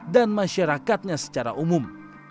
dan masyarakatnya secara umum